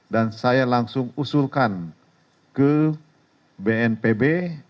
dan saya langsung usulkan ke bnpb